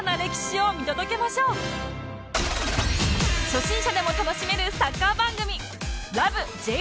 初心者でも楽しめるサッカー番組